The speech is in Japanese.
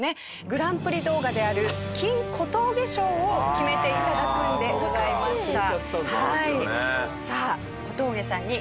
グランプリ動画である金小峠賞を決めていただくんでございました。